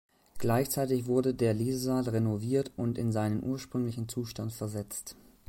Gleichzeitig wurde der Lesesaal renoviert und in seinen ursprünglichen Zustand versetzt.